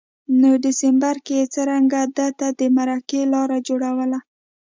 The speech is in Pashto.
نو دسمبر کي یې څرنګه ده ته د مرکې لار جوړوله